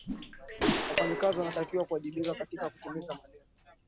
wafanyakazi wanatakiwa kuwajibika katika kutimiza malengo